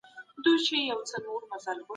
د ناروغۍ وروستي پړاوونه وژونکي وي.